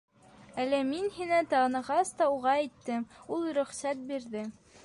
Әле мин һине танығас та уға әйттем, ул рөхсәт бирҙе.